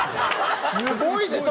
すごいですね。